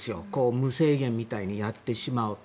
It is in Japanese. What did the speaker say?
無制限みたいにやってしまうと。